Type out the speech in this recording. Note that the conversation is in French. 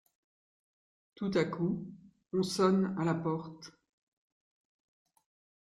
Tout à coup on sonne à la porte.